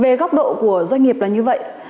về góc độ của doanh nghiệp là như vậy